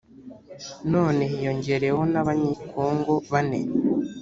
none hiyongereyo n’Abanyekongo bane